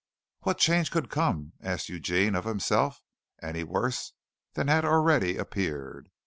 "What change could come," asked Eugene of himself, "any worse than had already appeared?"